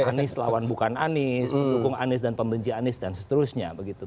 anies lawan bukan anies mendukung anies dan pembenci anies dan seterusnya begitu